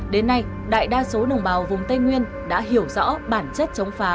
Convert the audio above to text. đến nay đại đa số đồng bào vùng tây nguyên đã hiểu rõ bản chất chống phá